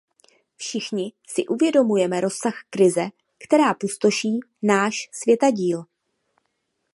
Všichni si uvědomujeme rozsah krize, která pustoší náš světadíl.